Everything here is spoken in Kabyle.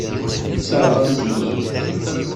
Sseṛɣent-iyi-t.